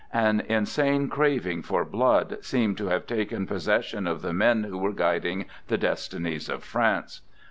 An insane craving for blood seemed to have taken possession of the men who were guiding the destinies of France.